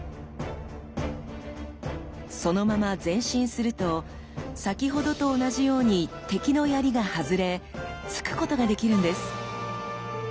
そのまま前進すると先ほどと同じように敵の槍が外れ突くことができるんです。